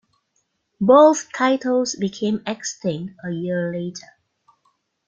Both titles became extinct a year later.